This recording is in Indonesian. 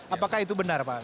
apakah itu benar pak